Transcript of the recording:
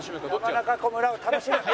山中湖村を楽しむ！！